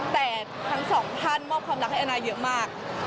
แต่ทั้งสองท่านมอบความรักให้แอนนาเยอะมาก